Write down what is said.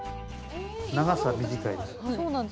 長さは短いです。